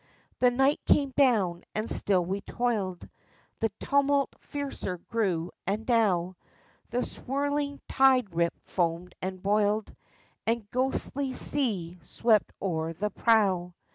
The night came down and still we toiled, The tumult fiercer grew, and now The swirling tide rip foamed and boiled, And ghostly seas swept o'er the prow.